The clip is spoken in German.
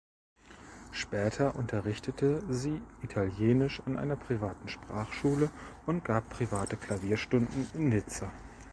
Später unterrichtete sie Italienisch in einer privaten Sprachschule und gab private Klavierstunden in Nizza.